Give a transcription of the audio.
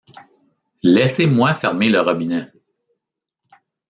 Laissez-moi fermer le robinet !